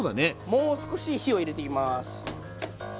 もう少し火を入れていきます。